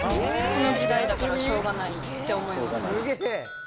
この時代だからしょうがないって思います。